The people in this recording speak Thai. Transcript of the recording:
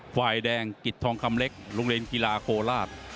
ฝ่ายแดงกิจทองคำเล็กโรงเรียนกีฬาโคราช